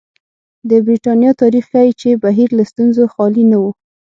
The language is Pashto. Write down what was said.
د برېټانیا تاریخ ښيي چې بهیر له ستونزو خالي نه و.